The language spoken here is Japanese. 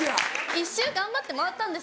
１周頑張って回ったんです